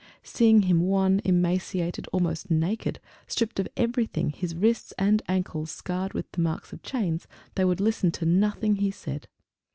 _ Seeing him wan, emaciated, almost naked, stripped of everything, his wrists and ankles scarred with the marks of chains, they would listen to nothing he said.